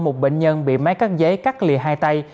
một bệnh nhân bị máy cắt giấy cắt lìa hai tay